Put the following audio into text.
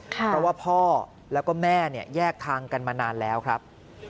เพราะว่าพ่อแล้วก็แม่แยกทางกันมานานแล้วครับ